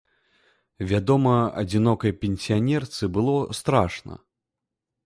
Вядома, адзінокай пенсіянерцы было страшна.